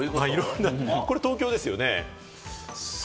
これ東京ですよね？